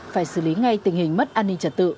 phải xử lý ngay tình hình mất an ninh trật tự